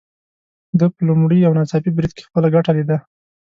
ده په لومړي او ناڅاپي بريد کې خپله ګټه ليده.